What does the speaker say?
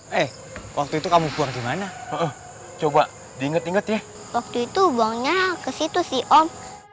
hai eh waktu itu kamu buang gimana coba diinget inget ya waktu itu banyak kesitu sih om